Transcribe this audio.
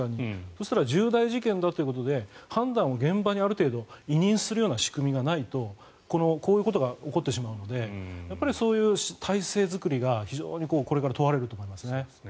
そしたら重大事件だということで判断を現場にある程度委任するような仕組みがないとこういうことが起こってしまうのでそういう体制作りが非常にこれから問われると思いますね。